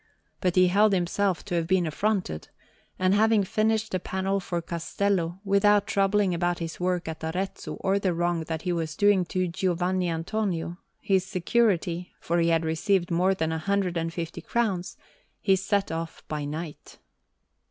But he held himself to have been affronted; and having finished the panel for Castello, without troubling about his work at Arezzo or the wrong that he was doing to Giovanni Antonio, his security (for he had received more than a hundred and fifty crowns), he set off by night.